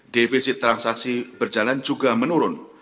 defisit transaksi berjalan juga menurun